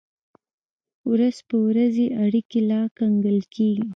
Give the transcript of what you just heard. ورځ په ورځ یې اړیکې لا ګنګل کېږي.